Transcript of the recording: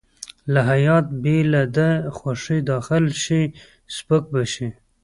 که هیات بې له ده خوښې داخل شي سپک به شي.